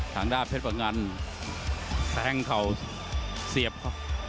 ทางด้านเพชรพังงานแข้งเข่าเสียบเข้า